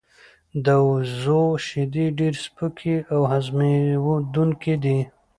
د وزو شیدې ډیر سپکې او هضمېدونکې دي.